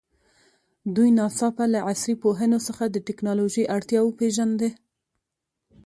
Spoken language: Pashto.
دوی ناڅاپه له عصري پوهنو څخه د تکنالوژي اړتیا وپېژانده.